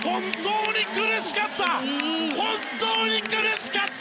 本当に苦しかった！